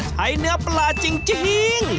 เนื้อปลาจริง